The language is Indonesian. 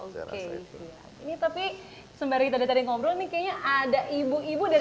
sembar kita tadi ngobrol